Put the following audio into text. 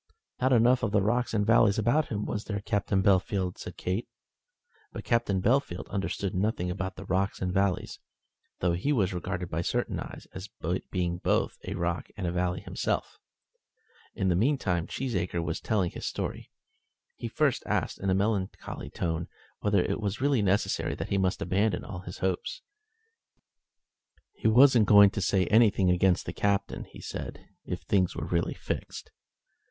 "Not enough of the rocks and valleys about him, was there, Captain Bellfield?" said Kate. But Captain Bellfield understood nothing about the rocks and valleys, though he was regarded by certain eyes as being both a rock and a valley himself. In the meantime Cheesacre was telling his story. He first asked, in a melancholy tone, whether it was really necessary that he must abandon all his hopes. "He wasn't going to say anything against the Captain," he said, "if things were really fixed.